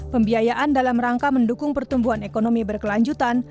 pembiayaan dalam rangka mendukung pertumbuhan ekonomi berkelanjutan